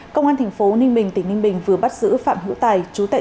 công an tp ninh bình tỉnh ninh bình vừa bắt giữ phạm hữu tài